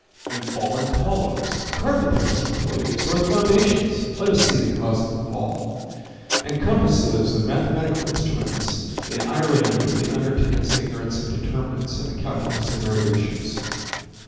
And fallen columns! Carve the pedestal, please, Or the foundations; let us see the cause of the fall. And compasses and mathematical instruments, In irony of the under tenants, ignorance Of determinants and the calculus of variations.